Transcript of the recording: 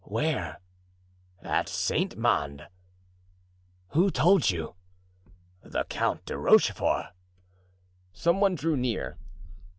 "Where?" "At Saint Mande." "Who told you?" "The Count de Rochefort." Some one drew near.